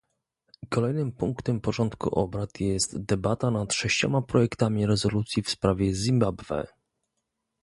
Kolejnym punktem porządku obrad jest debata nad sześcioma projektami rezolucji w sprawie Zimbabwe